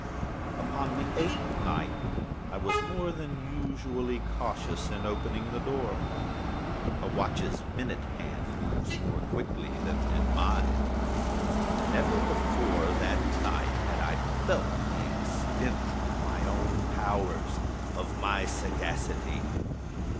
Upon the eighth night I was more than usually cautious in opening the door. A watch's minute hand moves more quickly than did mine. Never before that night had I felt the extent of my own powers—of my sagacity.